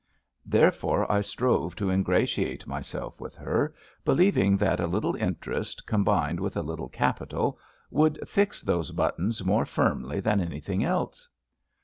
Therefore I strove to ingratiate myself with her, believing that a little interest, combined with a little capital, would Gx those buttons more firmly than anything else.